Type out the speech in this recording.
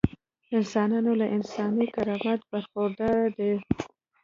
انسانان له انساني کرامته برخورداره دي.